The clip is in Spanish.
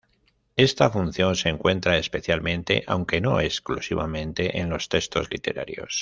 Esta función se encuentra especialmente, aunque no exclusivamente, en los textos literarios.